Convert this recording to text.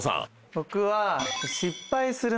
僕は。